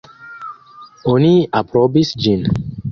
Oni aprobis ĝin.